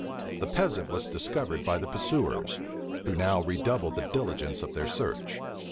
The peasant was discovered by the pursuers, who now redoubled the diligence of their search.